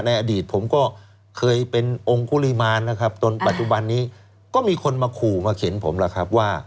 อดีตผมก็เคยเป็นองค์กุริมาณนะครับจนปัจจุบันนี้ก็มีคนมาขู่มาเข็นผมล่ะครับว่า